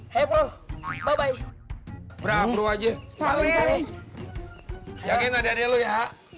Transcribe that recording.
heboh bye bye berapa wajib saling jaga dari lu ya